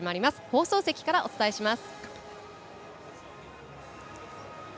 放送席からお伝えします。